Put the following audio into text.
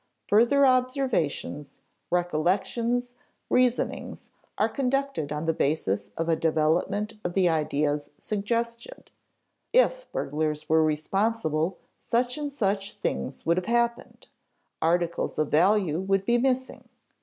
Further observations, recollections, reasonings are conducted on the basis of a development of the ideas suggested: if burglars were responsible, such and such things would have happened; articles of value would be missing.